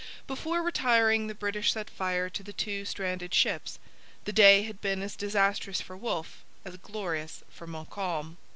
Before retiring the British set fire to the two stranded ships. The day had been as disastrous for Wolfe as glorious for Montcalm.